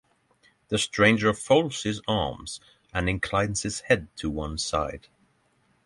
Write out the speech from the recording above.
The stranger fold his arms and inclines his head to one side.